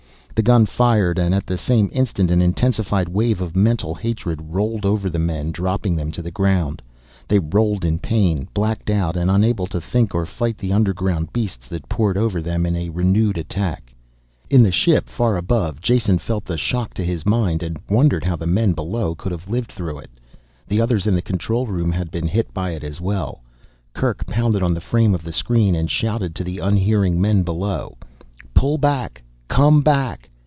The gun fired and at the same instant an intensified wave of mental hatred rolled over the men, dropping them to the ground. They rolled in pain, blacked out and unable to think or fight the underground beasts that poured over them in renewed attack. In the ship, far above, Jason felt the shock to his mind and wondered how the men below could have lived through it. The others in the control room had been hit by it as well. Kerk pounded on the frame of the screen and shouted to the unhearing men below. "Pull back, come back